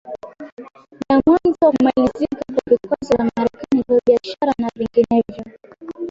la mwanzo wa kumalizika kwa vikwazo vya Marekani vya biashara na vinginevyo